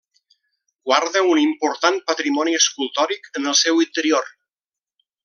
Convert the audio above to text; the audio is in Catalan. Guarda un important patrimoni escultòric en el seu interior.